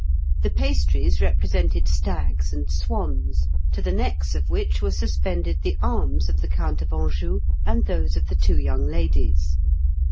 The pastries represented stags and swans, to the necks of which were suspended the arms of the Count of Anjou and those of the two young ladies."